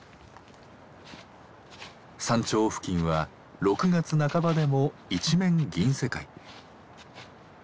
山頂付近は６月半ばでも一面銀世界。